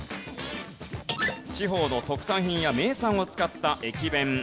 地方の特産品や名産を使った駅弁。